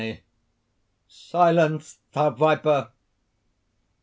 "Silence! thou viper!"